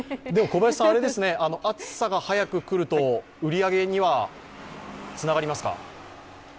暑さが早く来ると、売り上げにはつながりますか？